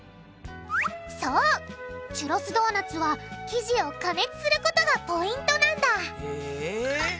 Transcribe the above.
そうチュロスドーナツは生地を加熱することがポイントなんだへぇ。